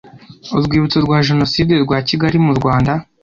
Urwibutso rwa Jenoside rwa Kigali mu Rwanda